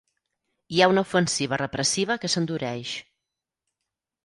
Hi ha una ofensiva repressiva que s’endureix.